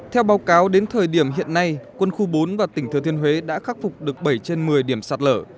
theo báo cáo đến thời điểm hiện nay quân khu bốn và tỉnh thừa thiên huế đã khắc phục được bảy trên một mươi điểm sạt lở